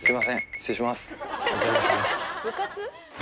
失礼します。